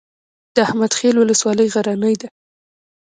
د احمد خیل ولسوالۍ غرنۍ ده